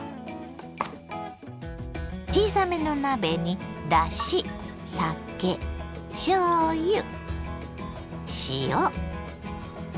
小さめの鍋にだし酒しょうゆ塩